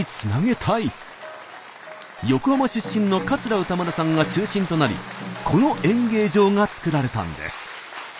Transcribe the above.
横浜出身の桂歌丸さんが中心となりこの演芸場が作られたんです。